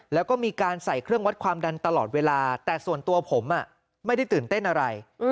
แล้วก็มีการใส่เครื่องวัดความดันตลอดเวลาแต่ส่วนตัวผมไม่ได้ตื่นเต้นอะไร